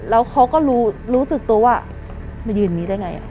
แล้วเขาก็รู้สึกตัวว่ามายืนนี้ได้ไง